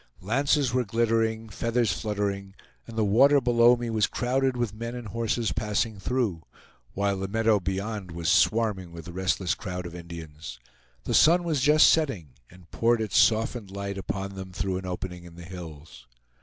Lances were glittering, feathers fluttering, and the water below me was crowded with men and horses passing through, while the meadow beyond was swarming with the restless crowd of Indians. The sun was just setting, and poured its softened light upon them through an opening in the hills.